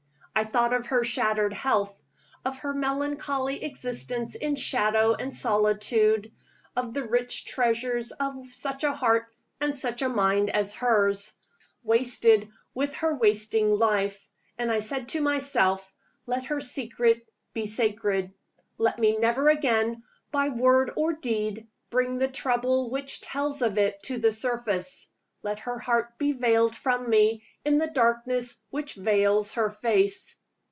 I thought of her shattered health; of her melancholy existence in shadow and solitude; of the rich treasures of such a heart and such a mind as hers, wasted with her wasting life; and I said to myself, Let her secret be sacred! let me never again, by word or deed, bring the trouble which tells of it to the surface! let her heart be veiled from me in the darkness which veils her face!